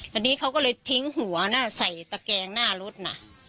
อันนี้เขาก็เลยทิ้งหัวนะใส่ตะแกงหน้ารถนะ